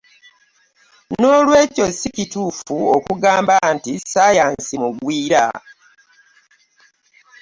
N'olwekyo si kituufu okugamba nti ssaayansi mugwira.